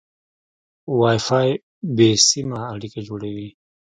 وای فای بې سیمه اړیکه جوړوي.